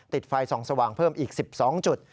ไฟส่องสว่างเพิ่มอีก๑๒จุด